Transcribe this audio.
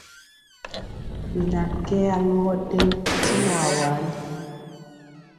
Ɓena kɛ alogɔ ɗen ntimɔ awaan ?